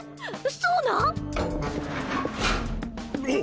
そうなん？